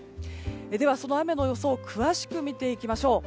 では、その雨の予想を詳しく見ていきましょう。